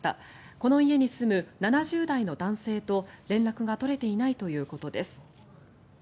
この家に住む７０代の男性と連絡が取れていないということです。